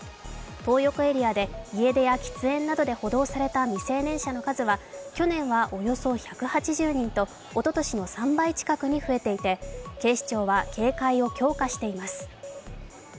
トー横エリアで喫煙などで補導された未成年は去年はおよそ１８０人とおととしの３倍近くに増えていて警視庁は警戒を強化しています。